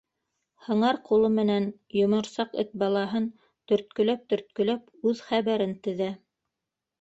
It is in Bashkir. Һыңар ҡулы менән йоморсаҡ эт балаһын төрткөләп-төрткөләп үҙ хәбәрен теҙә: